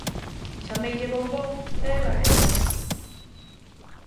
Chameille "bombón" e ela corou.